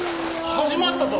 始まったぞ。